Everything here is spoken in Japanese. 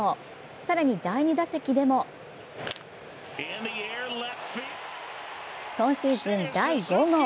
更に第２打席でも今シーズン第５号。